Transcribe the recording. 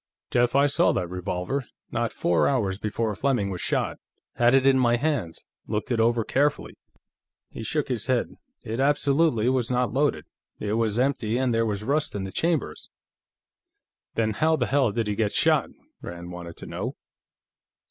"Jeff, I saw that revolver, not four hours before Fleming was shot. Had it in my hands; looked it over carefully." He shook his head. "It absolutely was not loaded. It was empty, and there was rust in the chambers." "Then how the hell did he get shot?" Rand wanted to know.